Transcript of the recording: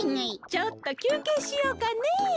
ちょっときゅうけいしようかね。